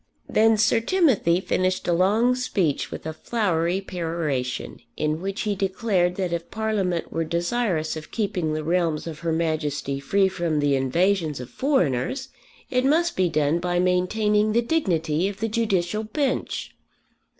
Then Sir Timothy finished a long speech with a flowery peroration, in which he declared that if Parliament were desirous of keeping the realms of Her Majesty free from the invasions of foreigners it must be done by maintaining the dignity of the Judicial bench.